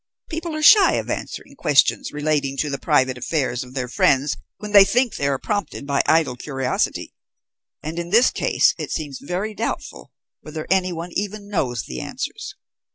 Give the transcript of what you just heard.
People are shy of answering questions relating to the private affairs of their friends when they think they are prompted by idle curiosity, and in this case it seems very doubtful whether anyone even knows the answers.